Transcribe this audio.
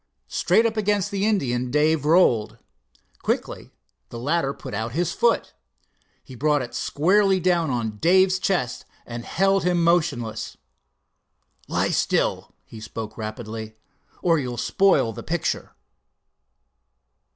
Straight up against the Indian Dave rolled. Quickly the latter put out his foot. He brought it squarely down on Dave's chest and held him motionless. "Lie still," he spoke rapidly, "or you'll spoil the picture!"